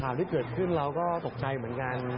ที่เกิดขึ้นเราก็ตกใจเหมือนกัน